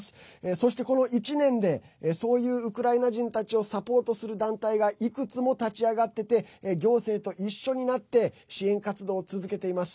そして、この１年でそういうウクライナ人たちをサポートする団体がいくつも立ち上がってて行政と一緒になって支援活動を続けています。